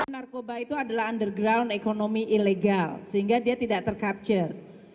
narkoba itu adalah underground ekonomi ilegal sehingga dia tidak tercapture